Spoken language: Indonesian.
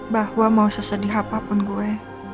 bahwa mau sesedih apapun gue